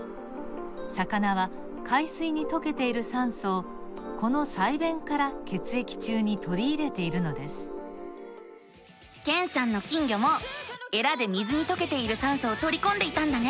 魚は海水にとけている酸素をこの鰓弁から血液中にとりいれているのですけんさんの金魚もえらで水にとけている酸素をとりこんでいたんだね。